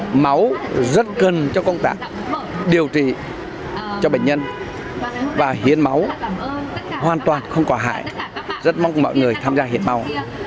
hiến máu rất cần cho công tác điều trị cho bệnh nhân và hiến máu hoàn toàn không quả hại rất mong mọi người tham gia hiến máu